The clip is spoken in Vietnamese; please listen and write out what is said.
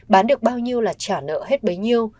bán được bao nhiêu là trả nợ hết bấy nhiêu